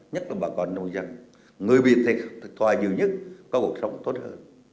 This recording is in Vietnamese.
nhất là bà con nông dân người việt thật thoài nhiều nhất có cuộc sống tốt hơn